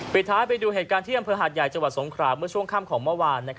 สุดท้ายไปดูเหตุการณ์ที่อำเภอหาดใหญ่จังหวัดสงขราเมื่อช่วงค่ำของเมื่อวาน